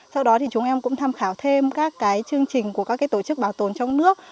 sau đó thì chúng em cũng tham khảo thêm các chương trình của các tổ chức bảo tồn trong nước